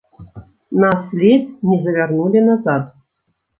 Нас ледзь не завярнулі назад.